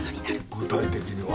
具体的には？